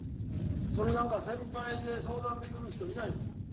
それなんか先輩で相談できる人いないの？